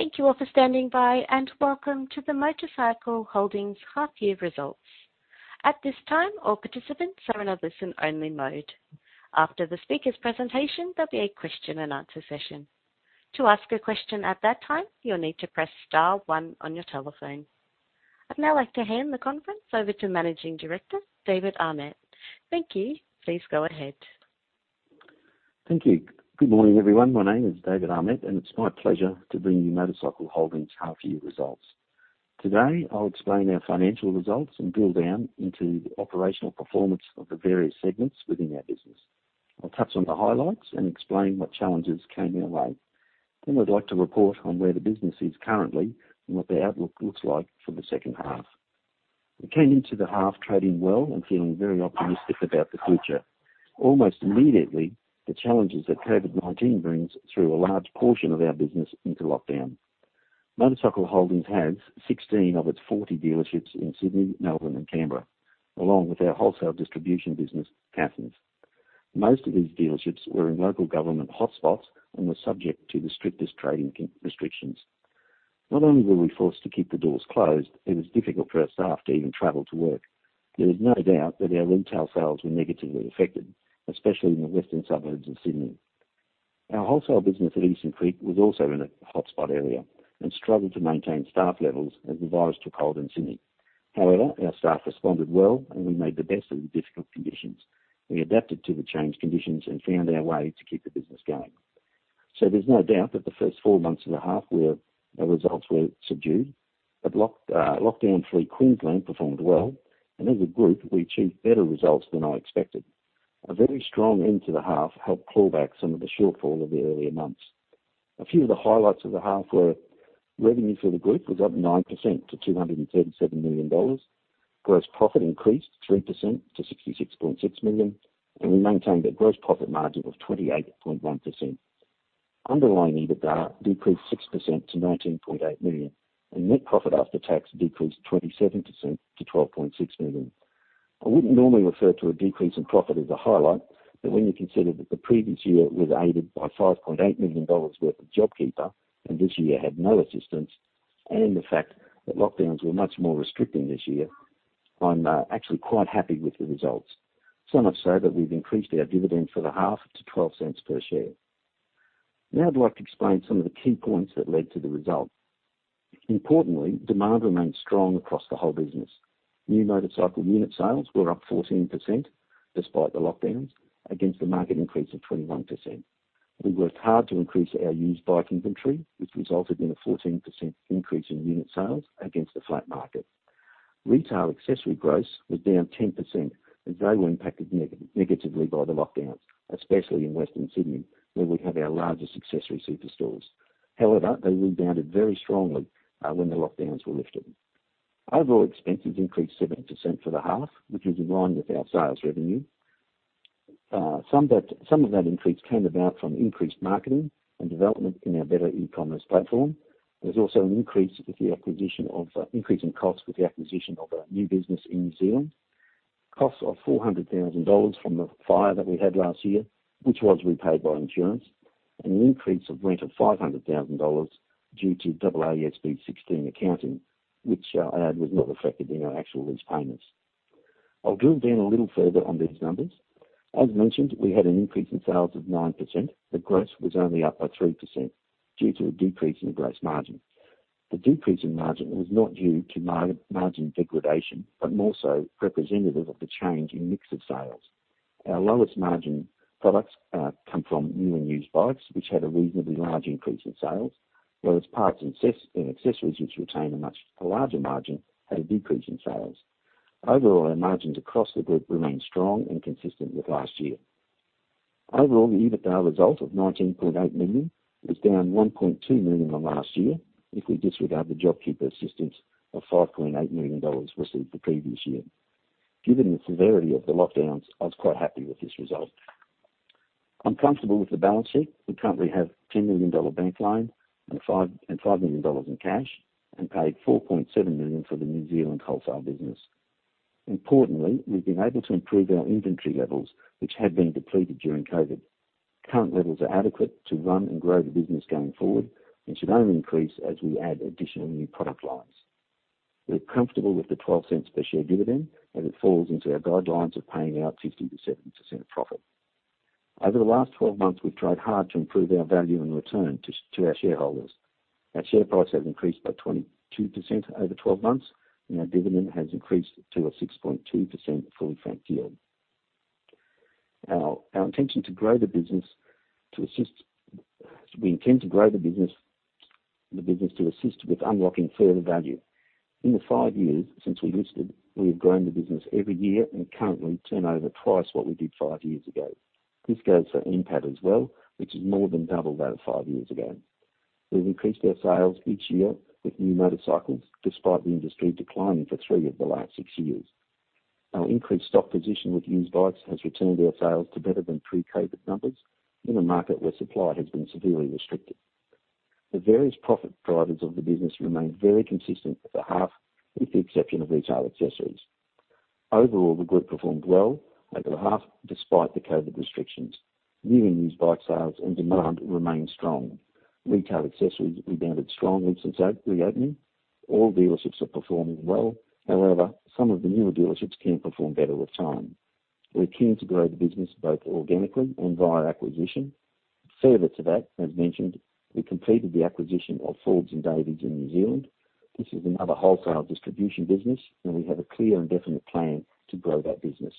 Thank you all for standing by, and welcome to the MotorCycle Holdings half year results. At this time, all participants are in a listen-only mode. After the speaker's presentation, there'll be a question and answer session. To ask a question at that time, you'll need to press star one on your telephone. I'd now like to hand the conference over to Managing Director, David Ahmet. Thank you. Please go ahead. Thank you. Good morning, everyone. My name is David Ahmat, and it's my pleasure to bring you MotorCycle Holdings half year results. Today, I'll explain our financial results and drill down into the operational performance of the various segments within our business. I'll touch on the highlights and explain what challenges came our way. I'd like to report on where the business is currently and what the outlook looks like for the second half. We came into the half trading well and feeling very optimistic about the future. Almost immediately, the challenges that COVID-19 brings threw a large portion of our business into lockdown. MotorCycle Holdings has 16 of its 40 dealerships in Sydney, Melbourne, and Canberra, along with our wholesale distribution business, Cassons. Most of these dealerships were in local government hotspots and were subject to the strictest trading restrictions. Not only were we forced to keep the doors closed, it was difficult for our staff to even travel to work. There is no doubt that our retail sales were negatively affected, especially in the western suburbs of Sydney. Our wholesale business at Eastern Creek was also in a hotspot area and struggled to maintain staff levels as the virus took hold in Sydney. However, our staff responded well, and we made the best of the difficult conditions. We adapted to the changed conditions and found our way to keep the business going. There's no doubt that the first four months of the half, our results were subdued. Lockdown-free Queensland performed well, and as a group, we achieved better results than I expected. A very strong end to the half helped claw back some of the shortfall of the earlier months. A few of the highlights of the half were revenue for the group was up 9% to 237 million dollars. Gross profit increased 3% to 66.6 million, and we maintained a gross profit margin of 28.1%. Underlying EBITDA decreased 6% to 19.8 million, and net profit after tax decreased 27% to 12.6 million. I wouldn't normally refer to a decrease in profit as a highlight, but when you consider that the previous year was aided by 5.8 million dollars worth of JobKeeper, and this year had no assistance, and the fact that lockdowns were much more restricting this year, I'm actually quite happy with the results. So much so that we've increased our dividend for the half to 0.12 per share. Now I'd like to explain some of the key points that led to the result. Importantly, demand remained strong across the whole business. New motorcycle unit sales were up 14% despite the lockdowns against a market increase of 21%. We worked hard to increase our used bike inventory, which resulted in a 14% increase in unit sales against a flat market. Retail accessory gross was down 10%, as they were impacted negatively by the lockdowns, especially in Western Sydney, where we have our largest accessory superstores. However, they rebounded very strongly when the lockdowns were lifted. Overall expenses increased 7% for the half, which is in line with our sales revenue. Some of that increase came about from increased marketing and development in our better e-commerce platform. There's also an increase in cost with the acquisition of a new business in New Zealand. Cost of 400,000 dollars from the fire that we had last year, which was repaid by insurance, and an increase of rent of 500,000 dollars due to AASB 16 accounting, which, I add, was not reflected in our actual lease payments. I'll drill down a little further on these numbers. As mentioned, we had an increase in sales of 9%, but gross was only up by 3% due to a decrease in the gross margin. The decrease in margin was not due to margin degradation, but more so representative of the change in mix of sales. Our lowest margin products come from new and used bikes, which had a reasonably large increase in sales. Parts and accessories, which retain a much larger margin, had a decrease in sales. Overall, our margins across the group remained strong and consistent with last year. Overall, the EBITDA result of 19.8 million was down 1.2 million on last year if we disregard the JobKeeper assistance of AUD 5.8 million received the previous year. Given the severity of the lockdowns, I was quite happy with this result. I'm comfortable with the balance sheet. We currently have 10 million dollar bank line and 5 million dollars in cash and paid 4.7 million for the New Zealand wholesale business. Importantly, we've been able to improve our inventory levels, which had been depleted during COVID. Current levels are adequate to run and grow the business going forward and should only increase as we add additional new product lines. We're comfortable with the 0.12 per share dividend as it falls into our guidelines of paying out 50%-70% of profit. Over the last 12 months, we've tried hard to improve our value and return to our shareholders. Our share price has increased by 22% over 12 months, and our dividend has increased to a 6.2% fully franked yield. We intend to grow the business to assist with unlocking further value. In the five years since we listed, we have grown the business every year and currently turnover twice what we did five years ago. This goes for NPAT as well, which is more than double that of five years ago. We've increased our sales each year with new motorcycles despite the industry declining for three of the last six years. Our increased stock position with used bikes has returned our sales to better than pre-COVID numbers in a market where supply has been severely restricted. The various profit drivers of the business remained very consistent for the half with the exception of retail accessories. Overall, the group performed well over the half despite the COVID restrictions. New and used bike sales and demand remained strong. Retail accessories rebounded strongly since that reopening. All dealerships are performing well. However, some of the newer dealerships can perform better with time. We're keen to grow the business both organically and via acquisition. Further to that, as mentioned, we completed the acquisition of Forbes and Davies in New Zealand. This is another wholesale distribution business, and we have a clear and definite plan to grow that business.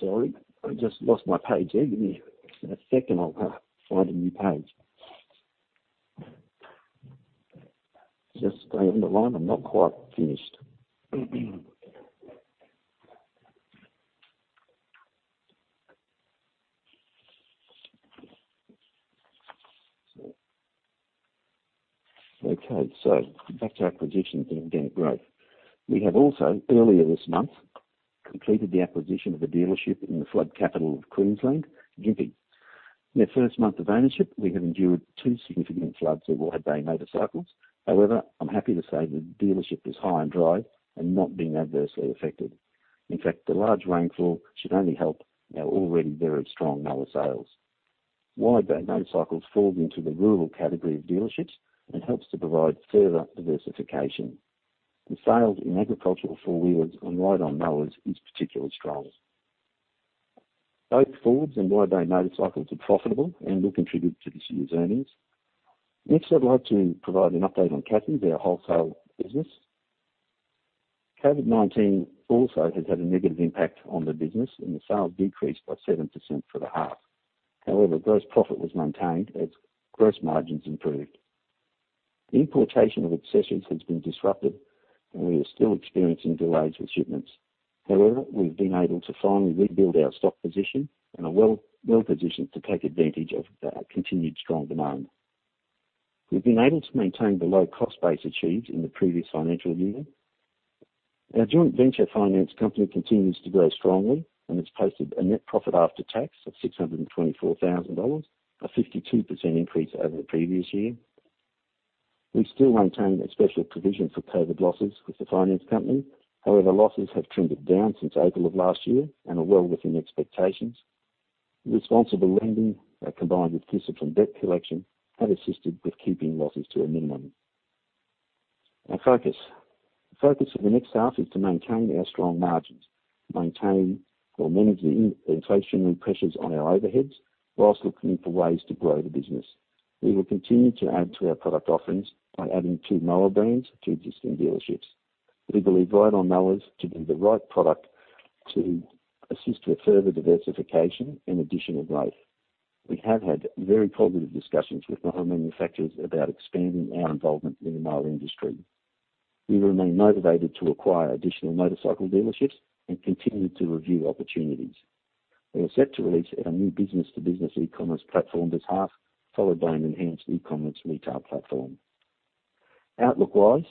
Sorry, I just lost my page there. Give me a second. I'll find a new page. Just stay on the line. I'm not quite finished. Okay. Back to acquisitions and organic growth. We have also, earlier this month, completed the acquisition of a dealership in the flood capital of Queensland, Gympie. In their first month of ownership, we have endured two significant floods at Wide Bay Motorcycles. However, I'm happy to say the dealership is high and dry and not been adversely affected. In fact, the large rainfall should only help our already very strong mower sales. Wide Bay Motorcycles falls into the rural category of dealerships and helps to provide further diversification. The sales in agricultural four-wheelers and ride-on mowers is particularly strong. Both Forbes and Davies and Wide Bay Motorcycles are profitable and will contribute to this year's earnings. Next, I'd like to provide an update on Cassons, our wholesale business. COVID-19 also has had a negative impact on the business, and the sales decreased by 7% for the half. However, gross profit was maintained as gross margins improved. The importation of accessories has been disrupted, and we are still experiencing delays with shipments. However, we've been able to finally rebuild our stock position and are well-positioned to take advantage of our continued strong demand. We've been able to maintain the low-cost base achieved in the previous financial year. Our joint venture finance company continues to grow strongly, and it's posted a net profit after tax of 624,000 dollars, a 52% increase over the previous year. We still maintain a special provision for COVID losses with the finance company. However, losses have trimmed it down since April of last year and are well within expectations. Responsible lending, combined with disciplined debt collection, have assisted with keeping losses to a minimum. Our focus. The focus for the next half is to maintain our strong margins, maintain or manage the inflationary pressures on our overheads whilst looking for ways to grow the business. We will continue to add to our product offerings by adding two mower brands to existing dealerships. We believe ride-on mowers to be the right product to assist with further diversification and additional growth. We have had very positive discussions with mower manufacturers about expanding our involvement in the mower industry. We remain motivated to acquire additional motorcycle dealerships and continue to review opportunities. We are set to release our new business-to-business e-commerce platform this half, followed by an enhanced e-commerce retail platform. Outlook-wise,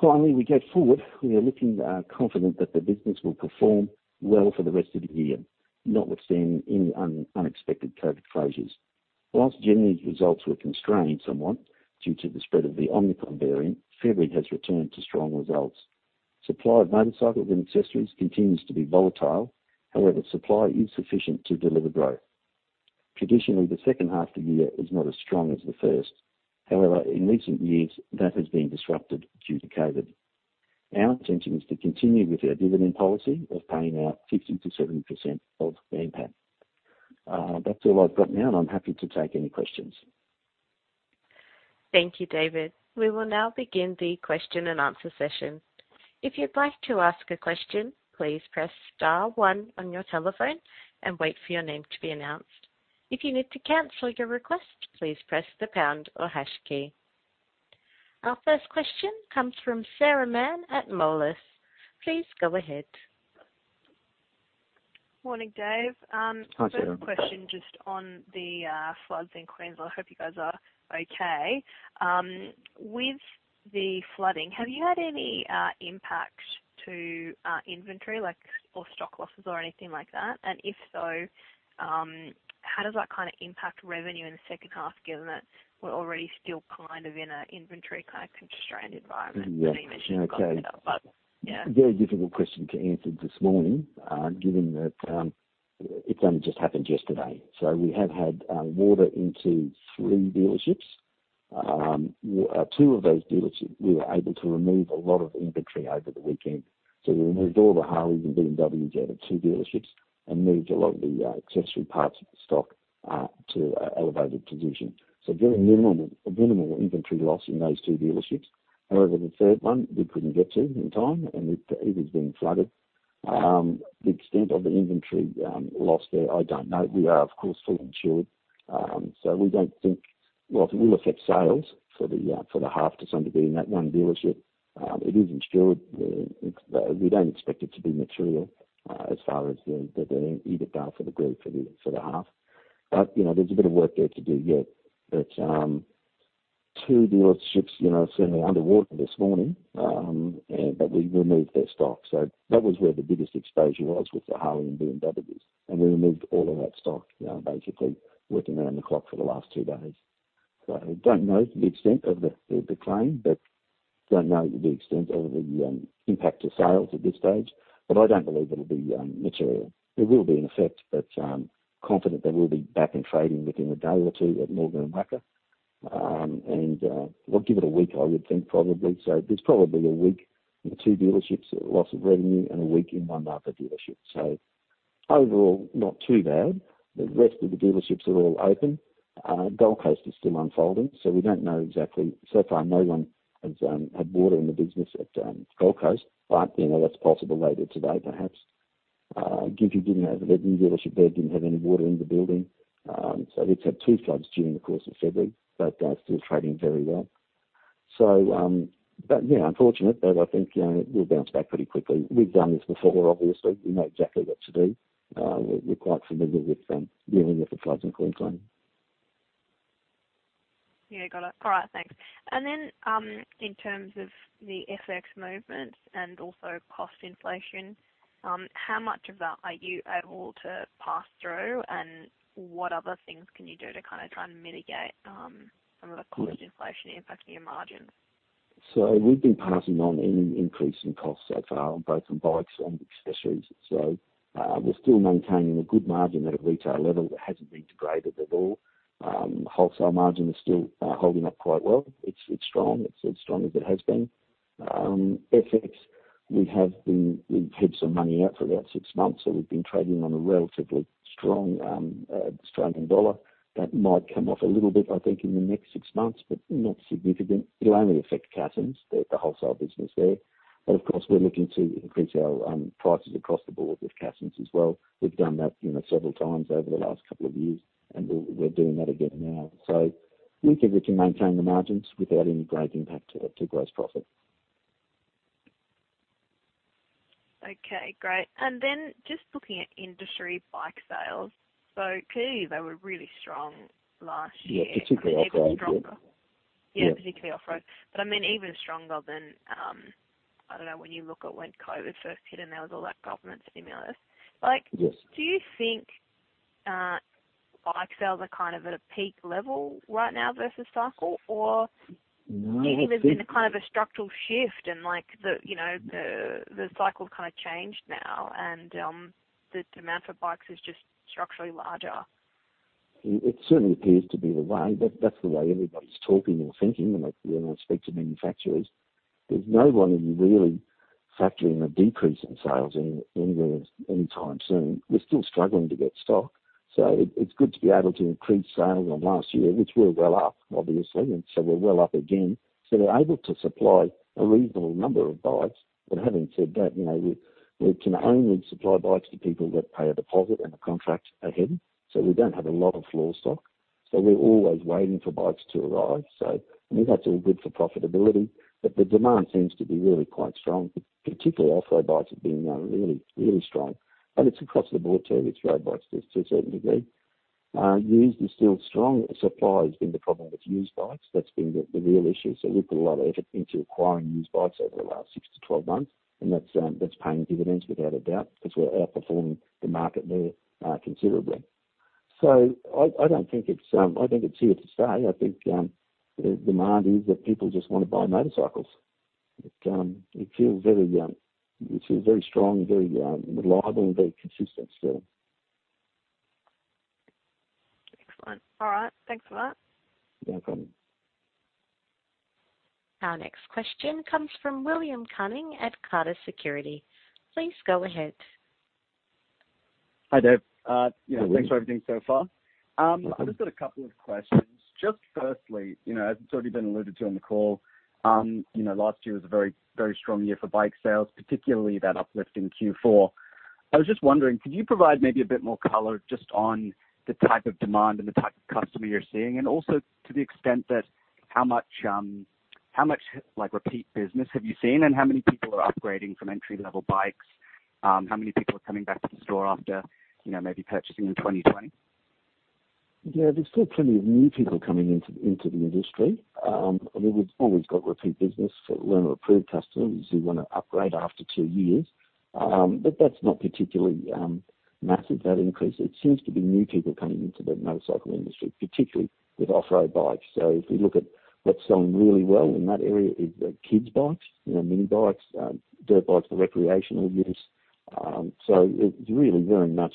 finally, we go forward. We are looking confident that the business will perform well for the rest of the year, notwithstanding any unexpected COVID closures. While January's results were constrained somewhat due to the spread of the Omicron variant, February has returned to strong results. Supply of motorcycles and accessories continues to be volatile. However, supply is sufficient to deliver growth. Traditionally, the second half of the year is not as strong as the first. However, in recent years, that has been disrupted due to COVID. Our intention is to continue with our dividend policy of paying out 50%-70% of NPAT. That's all I've got now, and I'm happy to take any questions. Thank you, David. We will now begin the question and answer session. If you'd like to ask a question, please press star one on your telephone and wait for your name to be announced. If you need to cancel your request, please press the pound or hash key. Our first question comes from Sarah Mann at Moelis Australia. Please go ahead. Morning, Dave. Hi, Sarah. First question just on the floods in Queensland. I hope you guys are okay. With the flooding, have you had any impact to inventory, like or stock losses or anything like that? If so, how does that kinda impact revenue in the second half, given that we're already still kind of in an inventory kinda constrained environment? Yeah. As you mentioned, despite the floods. Yeah. Very difficult question to answer this morning, given that it's only just happened yesterday. We have had water into three dealerships. Two of those dealerships, we were able to remove a lot of inventory over the weekend. We removed all the Harleys and BMWs out of two dealerships and moved a lot of the accessory parts stock to an elevated position. Very minimal inventory loss in those two dealerships. However, the third one we couldn't get to in time, and it has been flooded. The extent of the inventory loss there, I don't know. We are, of course, fully insured. We don't think, well, it will affect sales for the half to some degree in that one dealership. It is insured. We don't expect it to be material, as far as the EBITDA for the group for the half. You know, there's a bit of work there to do yet. Two dealerships, you know, certainly underwater this morning. We removed their stock. That was where the biggest exposure was with the Harley and BMWs. We removed all of that stock, you know, basically working around the clock for the last two days. Don't know the extent of the claim. Don't know the extent of the impact to sales at this stage, but I don't believe it'll be material. There will be an effect. Confident that we'll be back in trading within a day or two at Morgan & Wacker. We'll give it a week, I would think probably. There's probably a week in the two dealerships, loss of revenue and a week in one other dealership. Overall not too bad. The rest of the dealerships are all open. Gold Coast is still unfolding, so we don't know exactly. So far, no one has had water in the business at Gold Coast, but you know, that's possible later today perhaps. The dealership there didn't have any water in the building. It's had two floods during the course of February, but still trading very well. Yeah, unfortunate, but I think you know, we'll bounce back pretty quickly. We've done this before, obviously. We know exactly what to do. We're quite familiar with dealing with the floods in Queensland. Yeah. Got it. All right. Thanks. In terms of the FX movements and also cost inflation, how much of that are you able to pass through and what other things can you do to kinda try and mitigate some of the- Sure. Cost inflation impact in your margins? We've been passing on any increase in cost so far, both on bikes and accessories. We're still maintaining a good margin at a retail level that hasn't been degraded at all. Wholesale margin is still holding up quite well. It's strong. It's as strong as it has been. FX, we've hedged some money out for about six months, so we've been trading on a relatively strong Australian dollar. That might come off a little bit, I think, in the next six months, but not significant. It'll only affect Cassons, the wholesale business there. Of course, we're looking to increase our prices across the board with Cassons as well. We've done that, you know, several times over the last couple of years, and we're doing that again now. We think we can maintain the margins without any great impact to gross profit. Okay, great. Just looking at industry bike sales. Clearly they were really strong last year. Yeah, particularly off-road. Yeah. Yeah, particularly off road. I mean, even stronger than, I don't know, when you look at COVID first hit and there was all that government stimulus. Like Yes. Do you think bike sales are kind of at a peak level right now versus cycle? Or No. Do you think there's been a kind of a structural shift in, like, the you know, the cycle kind of changed now and, the amount of bikes is just structurally larger? It certainly appears to be the way. That's the way everybody's talking and thinking. Like, you know, when I speak to manufacturers, there's no one really factoring a decrease in sales anywhere, anytime soon. We're still struggling to get stock. It's good to be able to increase sales on last year, which we're well up, obviously, and we're well up again. We're able to supply a reasonable number of bikes. Having said that, you know, we can only supply bikes to people that pay a deposit and a contract ahead. We don't have a lot of floor stock. We're always waiting for bikes to arrive. I mean, that's all good for profitability, but the demand seems to be really quite strong. Particularly off-road bikes have been really strong. It's across the board too, with road bikes to a certain degree. Used is still strong. Supply has been the problem with used bikes. That's been the real issue. We've put a lot of effort into acquiring used bikes over the last 6-12 months and that's paying dividends without a doubt, because we're outperforming the market there considerably. I don't think it's... I think it's here to stay. I think the demand is that people just wanna buy motorcycles. It feels very strong, very reliable and very consistent still. Excellent. All right. Thanks a lot. No problem. Our next question comes from William Cunning at Carter Security. Please go ahead. Hi, Dave. Yeah, thanks for everything so far. I've just got a couple of questions. Just firstly, you know, it's already been alluded to in the call, you know, last year was a very, very strong year for bike sales, particularly that uplift in Q4. I was just wondering, could you provide maybe a bit more color just on the type of demand and the type of customer you're seeing and also to the extent that how much, like repeat business have you seen and how many people are upgrading from entry-level bikes? How many people are coming back to the store after, you know, maybe purchasing in 2020? Yeah, there's still plenty of new people coming into the industry. I mean, we've always got repeat business for learn-or-improve customers who wanna upgrade after two years. That's not particularly massive, that increase. It seems to be new people coming into the motorcycle industry, particularly with off-road bikes. If we look at what's selling really well in that area is the kids bikes, you know, mini bikes, dirt bikes for recreational use. It really very much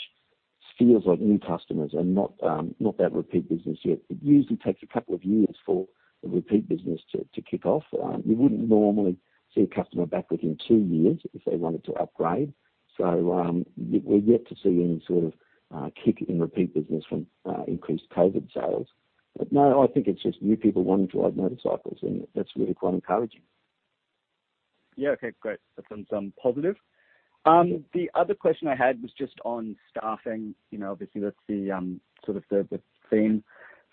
feels like new customers and not that repeat business yet. It usually takes a couple of years for the repeat business to kick off. You wouldn't normally see a customer back within two years if they wanted to upgrade. We're yet to see any sort of kick in repeat business from increased COVID sales. No, I think it's just new people wanting to ride motorcycles, and that's really quite encouraging. Yeah. Okay, great. That's been some positive. The other question I had was just on staffing. You know, obviously that's the sort of theme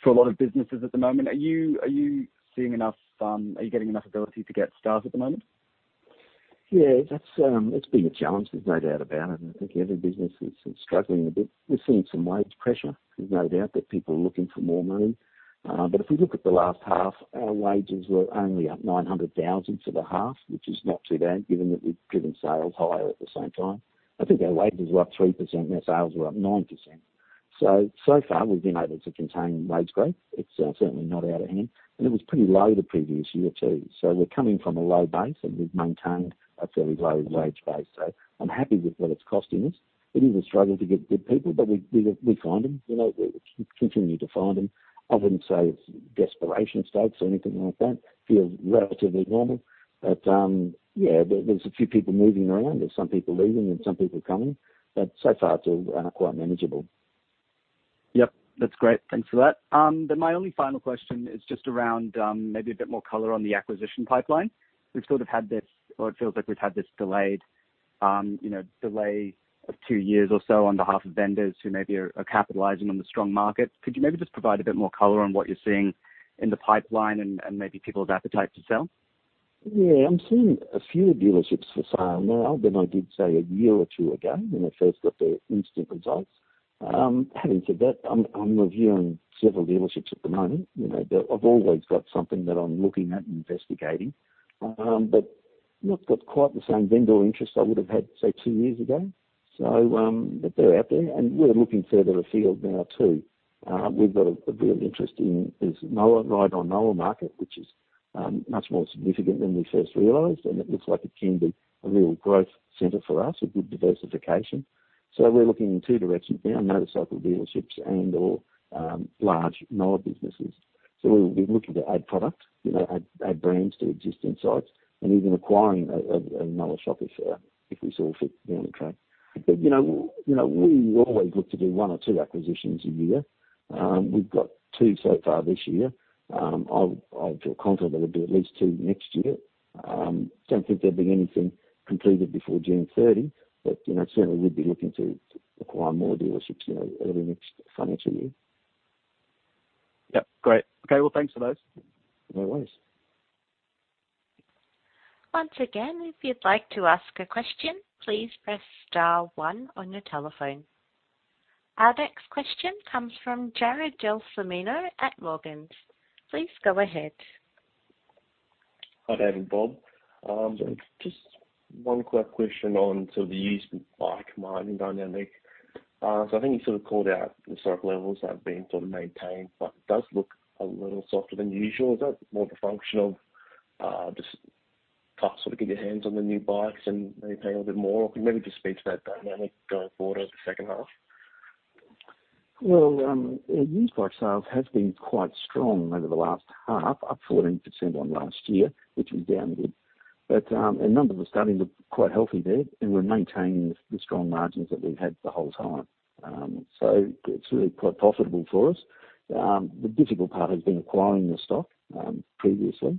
for a lot of businesses at the moment. Are you getting enough ability to get staff at the moment? Yeah, that's been a challenge, there's no doubt about it. I think every business is struggling a bit. We're seeing some wage pressure. There's no doubt that people are looking for more money. If we look at the last half, our wages were only up 900,000 for the half, which is not too bad given that we've driven sales higher at the same time. I think our wages were up 3% and our sales were up 9%. So far we've been able to contain wage growth. It's certainly not out of hand, and it was pretty low the previous year, too. We're coming from a low base, and we've maintained a fairly low wage base. I'm happy with what it's costing us. It is a struggle to get good people, but we find them, you know. We continue to find them. I wouldn't say it's desperation stakes or anything like that. Feels relatively normal. Yeah, there's a few people moving around. There's some people leaving and some people coming, but so far it's all quite manageable. Yep. That's great. Thanks for that. My only final question is just around maybe a bit more color on the acquisition pipeline. We've sort of had this or it feels like we've had this delayed, you know, delay of two years or so on behalf of vendors who maybe are capitalizing on the strong market. Could you maybe just provide a bit more color on what you're seeing in the pipeline and maybe people's appetite to sell? I'm seeing more dealerships for sale now than I did, say, a year or two ago when I first got the initial insights. Having said that, I'm reviewing several dealerships at the moment. You know, I've always got something that I'm looking at and investigating. I've not got quite the same vendor interest I would have had, say, two years ago. They're out there, and we're looking further afield now, too. We've got a real interest in this mower, ride-on mower market, which is much more significant than we first realized, and it looks like it can be a real growth center for us, a good diversification. We're looking in two directions now, motorcycle dealerships and/or large mower businesses. We're looking to add product, you know, add brands to existing sites and even acquiring a mower shop if this all fits down the track. You know, we always look to do one or two acquisitions a year. We've got two so far this year. I'll feel confident it'll be at least two next year. Don't think there'll be anything completed before June 30, but you know, certainly we'd be looking to acquire more dealerships, you know, early next financial year. Yep. Great. Okay, well, thanks for those. No worries. Once again, if you'd like to ask a question, please press star one on your telephone. Our next question comes from Jared Gelsomino at Morgans. Please go ahead. Hi, Dave and Bob. Just one quick question on sort of the used bike margin dynamic. I think you sort of called out the stock levels that have been sort of maintained, but it does look a little softer than usual. Is that more of a function of it's just tough to get your hands on the new bikes and maybe paying a little bit more? Or can you maybe just speak to that dynamic going forward over the second half? Well, yeah, used bike sales has been quite strong over the last half, up 14% on last year, which was down a bit, and numbers are starting to look quite healthy there, and we're maintaining the strong margins that we've had the whole time. It's really quite profitable for us. The difficult part has been acquiring the stock previously.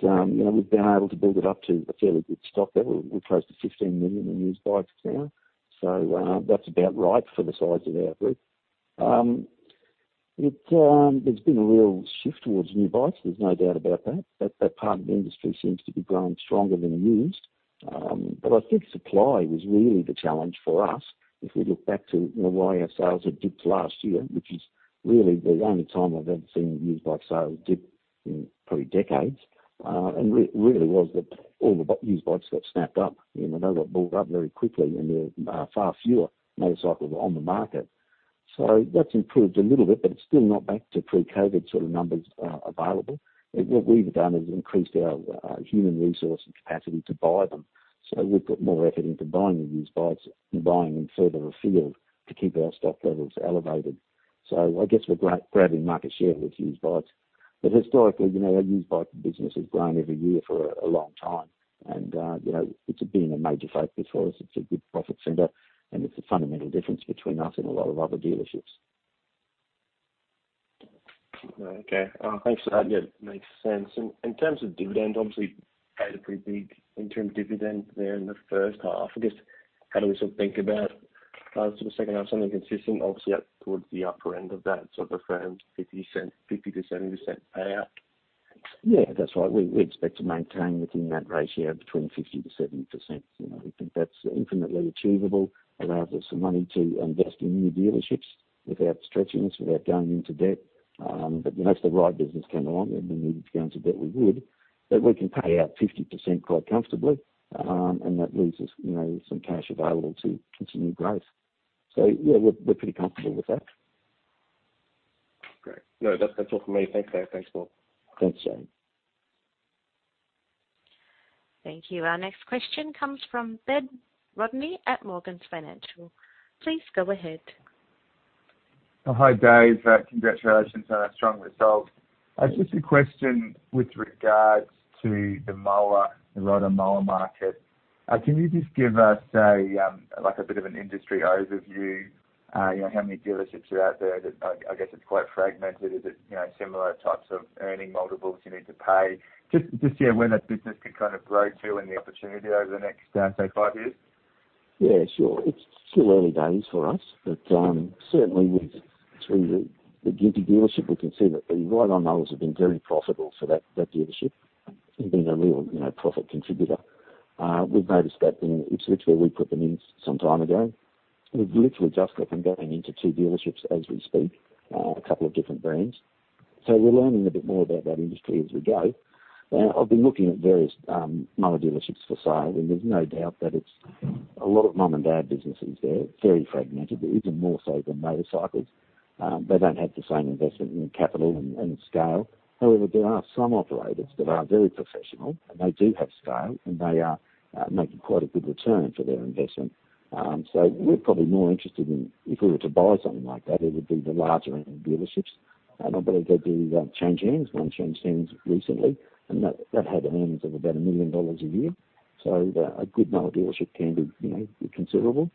You know, we've been able to build it up to a fairly good stock there. We're close to 15 million in used bikes now, so that's about right for the size of our group. There's been a real shift towards new bikes. There's no doubt about that. That part of the industry seems to be growing stronger than the used. I think supply was really the challenge for us. If we look back to, you know, why our sales had dipped last year, which is really the only time I've ever seen used bike sales dip in probably decades, and really was that all the used bikes got snapped up. You know, they got bought up very quickly, and there are far fewer motorcycles on the market. That's improved a little bit, but it's still not back to pre-COVID sort of numbers available. What we've done is increased our human resource and capacity to buy them. We've put more effort into buying the used bikes and buying them further afield to keep our stock levels elevated. I guess we're grabbing market share with used bikes. Historically, you know, our used bike business has grown every year for a long time. You know, it's been a major focus for us. It's a good profit center, and it's a fundamental difference between us and a lot of other dealerships. Okay. Thanks for that. Yeah, makes sense. In terms of dividend, obviously paid a pretty big interim dividend there in the first half. I guess how do we sort of think about sort of second half? Something consistent, obviously up towards the upper end of that sort of affirmed 50%-70% payout. Yeah, that's right. We expect to maintain within that ratio between 50%-70%. You know, we think that's definitely achievable, allows us some money to invest in new dealerships without stretching us, without going into debt. You know, if the right business came along and we needed to go into debt, we would. We can pay out 50% quite comfortably, and that leaves us, you know, some cash available to continue growth. Yeah, we're pretty comfortable with that. Great. No, that's all from me. Thanks, Dave. Thanks, Bob. Thanks, Jared. Thank you. Our next question comes from Ben Rodney at Morgans Financial. Please go ahead. Oh, Hi, Dave. Congratulations on a strong result. Just a question with regards to the mower, the ride-on mower market. Can you just give us a like, a bit of an industry overview, you know, how many dealerships are out there that I guess it's quite fragmented. Is it, you know, similar types of earning multiples you need to pay? Just, yeah, where that business could kind of grow to and the opportunity over the next, say, five years. Yeah, sure. It's still early days for us, but certainly through the Gympie dealership, we can see that the ride-on mowers have been very profitable for that dealership. It's been a real, you know, profit contributor. We've noticed that in Ipswich, where we put them in some time ago. We've literally just got them going into two dealerships as we speak, a couple of different brands. We're learning a bit more about that industry as we go. I've been looking at various mower dealerships for sale, and there's no doubt that it's a lot of mom-and-dad businesses there. Very fragmented. They're even more so than motorcycles. They don't have the same investment in capital and scale. However, there are some operators that are very professional, and they do have scale, and they are making quite a good return for their investment. We're probably more interested in, if we were to buy something like that, it would be the larger end of dealerships. I believe they do change hands. One changed hands recently, and that had earnings of about million dollar a year. A good mower dealership can be, you know, considerable.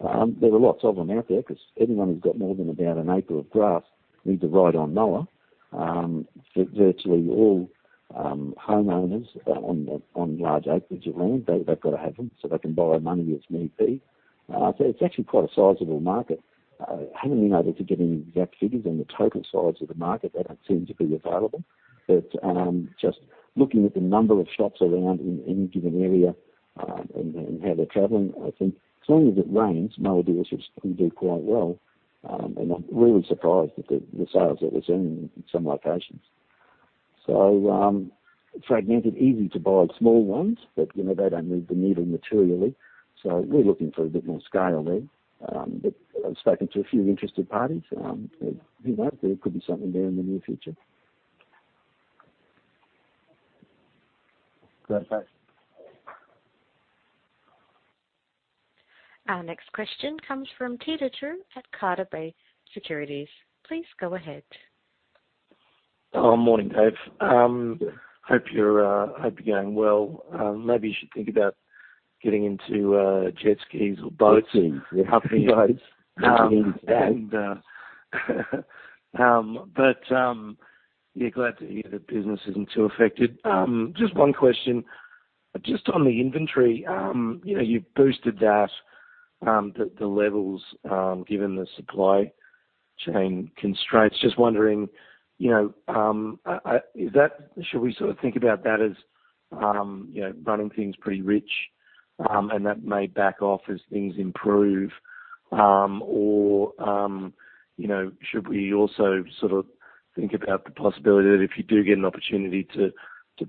There are lots of them out there 'cause everyone who's got more than about an acre of grass needs a ride-on mower. Virtually all homeowners on large acreage of land, they've gotta have them, so they can borrow money as need be. It's actually quite a sizable market. Haven't been able to get any exact figures on the total size of the market. They don't seem to be available. Just looking at the number of shops around in any given area, and how they're traveling, I think as long as it rains, mower dealerships can do quite well. I'm really surprised at the sales that we're seeing in some locations. Fragmented, easy to buy small ones, you know, they don't move the needle materially. We're looking for a bit more scale there. I've spoken to a few interested parties. Who knows? There could be something there in the near future. Great, thanks. Our next question comes from Peter Tru at Carter Bay Securities. Please go ahead. Oh, morning, Dave. Hope you're going well. Maybe you should think about getting into jet skis or boats. jet skis. Huffy bikes. jet skis. Yeah, glad to hear the business isn't too affected. Just one question. Just on the inventory, you know, you've boosted that, the levels, given the supply chain constraints. Just wondering, you know, should we sort of think about that as, you know, running things pretty rich, and that may back off as things improve? Or, you know, should we also sort of think about the possibility that if you do get an opportunity to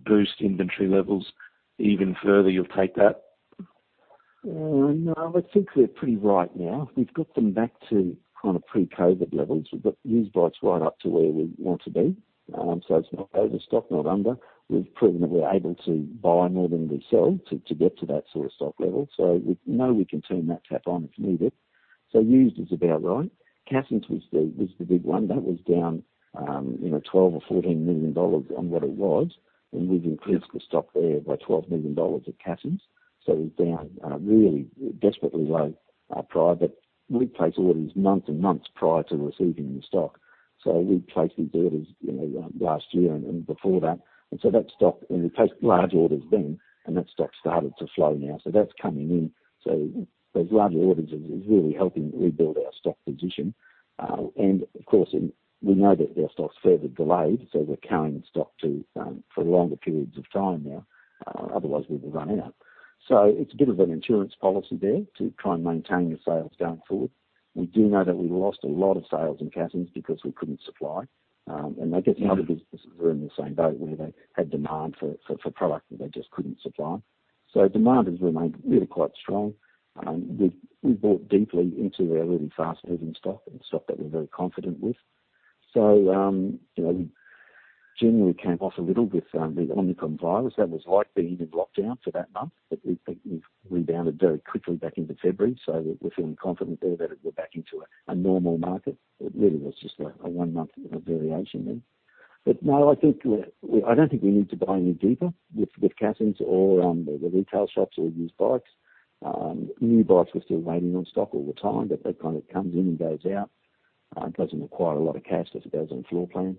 boost inventory levels even further, you'll take that? No, I think we're pretty right now. We've got them back to kind of pre-COVID levels. We've got used bikes right up to where we want to be. So it's not overstocked, not under. We've proven that we're able to buy more than we sell to get to that sort of stock level. So we know we can turn that tap on if needed. So used is about right. Cassons was the big one. That was down twelve or fourteen million dollars on what it was, and we've increased the stock there by 12 million dollars at Cassons. So it was down really desperately low prior, but we place orders months and months prior to receiving the stock. So we placed these orders, you know, last year and before that. That stock, we placed large orders then, and that stock started to flow now. That's coming in. Those larger orders is really helping rebuild our stock position. Of course, we know that our stock's further delayed, so we're carrying stock for longer periods of time now, otherwise we will run out. It's a bit of an insurance policy there to try and maintain the sales going forward. We do know that we lost a lot of sales in Cassons because we couldn't supply, and I guess- Yeah Other businesses were in the same boat, where they had demand for product that they just couldn't supply. Demand has remained really quite strong. We bought deeply into our really fast-moving stock and stock that we're very confident with. You know, January came off a little with the Omicron virus. That was like being in lockdown for that month. We've rebounded very quickly back into February, so we're feeling confident there that we're back into a normal market. It really was just a one-month, you know, variation then. No, I think we're I don't think we need to buy any deeper with Cassons or the retail shops or used bikes. New bikes, we're still waiting on stock all the time, but that kind of comes in and goes out. Doesn't require a lot of cash if it goes on floor plan.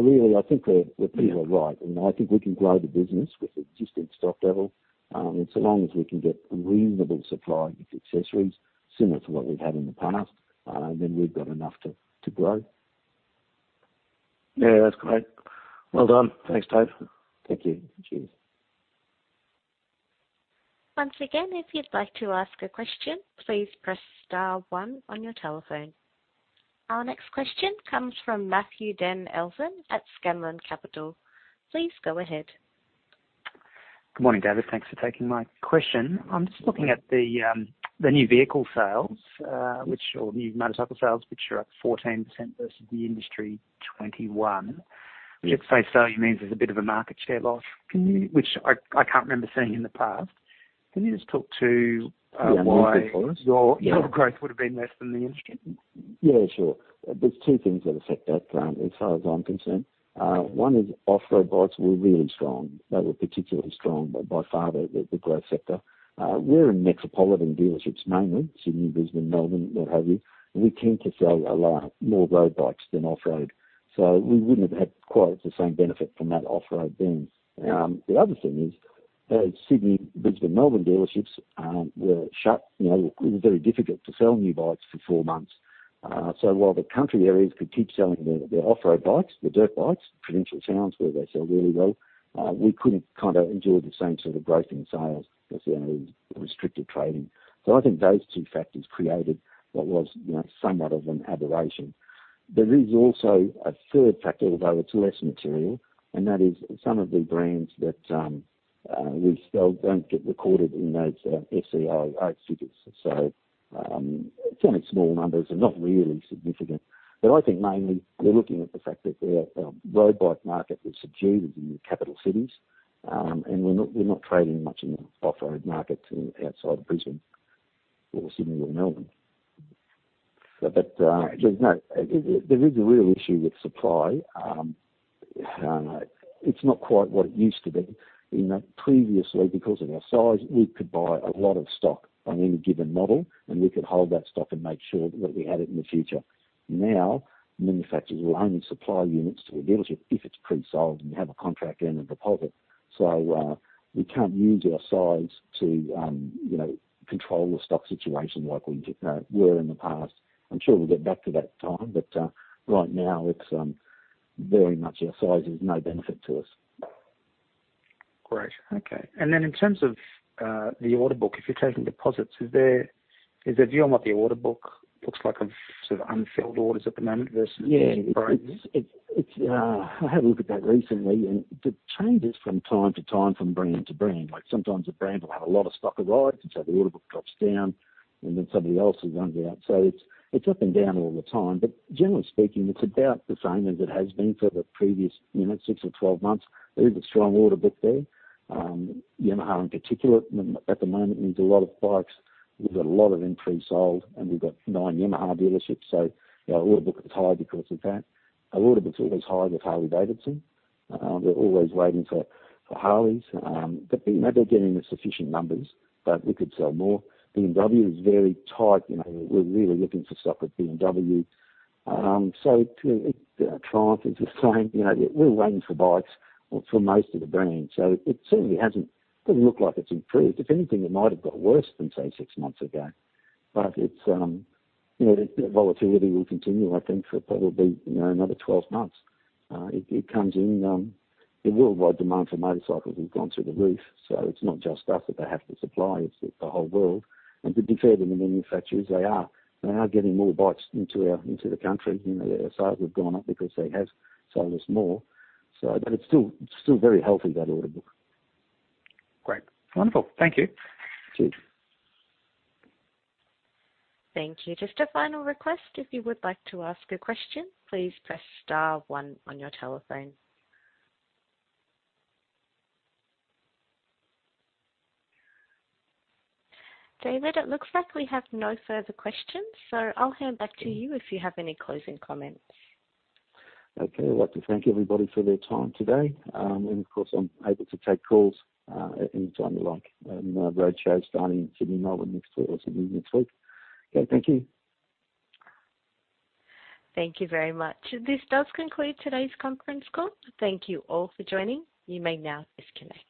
Really, I think we're Yeah Pretty well right. I think we can grow the business with existing stock level. So long as we can get a reasonable supply of accessories similar to what we've had in the past, then we've got enough to grow. Yeah, that's great. Well done. Thanks, Dave. Thank you. Cheers. Once again, if you'd like to ask a question, please press star one on your telephone. Our next question comes from Matthew Den Elzen at Scanlon Capital. Please go ahead. Good morning, David. Thanks for taking my question. I'm just looking at the new motorcycle sales, which are up 14% versus the industry 21%. Yeah. Which, at face value, means there's a bit of a market share loss, which I can't remember seeing in the past. Can you just talk to Yeah, market share for us? Why your- Yeah Your growth would have been less than the industry? Yeah, sure. There's two things that affect that, as far as I'm concerned. One is off-road bikes were really strong. They were particularly strong, by far the growth sector. We're in metropolitan dealerships, mainly Sydney, Brisbane, Melbourne, what have you, and we tend to sell a lot more road bikes than off-road. We wouldn't have had quite the same benefit from that off-road boom. The other thing is, Sydney, Brisbane, Melbourne dealerships, were shut. You know, it was very difficult to sell new bikes for four months. While the country areas could keep selling their off-road bikes, the dirt bikes, provincial towns where they sell really well, we couldn't kinda enjoy the same sort of growth in sales because, you know, we were restricted trading. I think those two factors created what was, you know, somewhat of an aberration. There is also a third factor, although it's less material, and that is some of the brands that we sell don't get recorded in those FCAI figures, fairly small numbers and not really significant. I think mainly we're looking at the fact that the road bike market was subdued in the capital cities. We're not trading much in the off-road markets outside of Brisbane or Sydney or Melbourne. Just no. There is a real issue with supply. It's not quite what it used to be. You know, previously, because of our size, we could buy a lot of stock on any given model, and we could hold that stock and make sure that we had it in the future. Now, manufacturers will only supply units to a dealership if it's pre-sold and have a contract and a deposit. We can't use our size to, you know, control the stock situation like we were in the past. I'm sure we'll get back to that time, but, right now, it's very much our size is no benefit to us. Great. Okay. In terms of the order book, if you're taking deposits, do you know what the order book looks like of sort of unfilled orders at the moment versus- Yeah. -break? I had a look at that recently, and it changes from time to time, from brand to brand. Like, sometimes a brand will have a lot of stock arrive, and so the order book drops down, and then somebody else has run out. So it's up and down all the time. But generally speaking, it's about the same as it has been for the previous, you know, 6 or 12 months. There is a strong order book there. Yamaha in particular at the moment means a lot of bikes. We've got a lot of them pre-sold, and we've got 9 Yamaha dealerships, so our order book is high because of that. Our order book's always high with Harley-Davidson. We're always waiting for Harleys. But, you know, they're getting us sufficient numbers, but we could sell more. BMW is very tight. You know, we're really looking for stock with BMW. Triumph is the same. You know, we're waiting for bikes or for most of the brands. It certainly hasn't, doesn't look like it's improved. If anything, it might have got worse than, say, 6 months ago. It's, you know, the volatility will continue, I think, for probably, you know, another 12 months. It comes in, the worldwide demand for motorcycles has gone through the roof, so it's not just us that they have to supply, it's the whole world. To be fair to the manufacturers, they are getting more bikes into the country. You know, our sales have gone up because they have sold us more. It's still very healthy, that order book. Great. Wonderful. Thank you. Cheers. Thank you. Just a final request. If you would like to ask a question, please press star one on your telephone. David, it looks like we have no further questions, so I'll hand back to you if you have any closing comments. Okay. I'd like to thank everybody for their time today. Of course, I'm able to take calls at any time you like. Road shows starting in Sydney, Melbourne next week or Sydney next week. Okay. Thank you. Thank you very much. This does conclude today's conference call. Thank you all for joining. You may now disconnect.